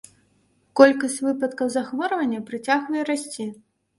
Колькасць выпадкаў захворвання працягвае расці.